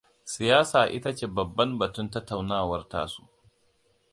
Siyasa ita ce babban batun tattaunawar tasu.